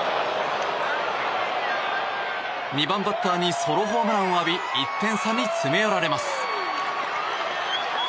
２番バッターにソロホームランを浴び１点差に詰め寄られます。